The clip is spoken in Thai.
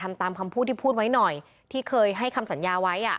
ทำตามคำพูดที่พูดไว้หน่อยที่เคยให้คำสัญญาไว้อ่ะ